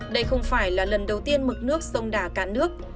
đây không phải là lần đầu tiên mực nước sông đà cạn nước